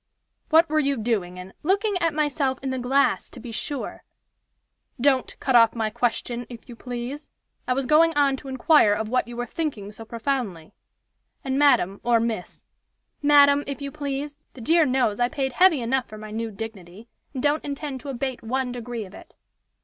"What were you doing, and " "Looking at myself in the glass, to be sure." "Don't cut off my question, if you please. I was going on to inquire of what you were thinking so profoundly. And madam, or miss " "Madam, if you please! the dear knows, I paid heavy enough for my new dignity, and don't intend to abate one degree of it.